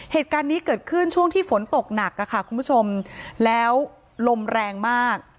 เหตุการณ์นี้เกิดขึ้นช่วงที่ฝนตกหนักค่ะคุณผู้ชมแล้วลมแรงมาก